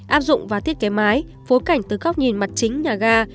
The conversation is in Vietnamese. áp dụng và thiết kế máy phối cảnh từ góc nhìn mặt chính nhà ga